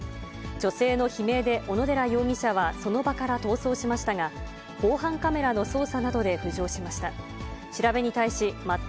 女性の悲鳴で、小野寺容疑者はその場から逃走しましたが、防犯カメラの捜査などで浮上しました。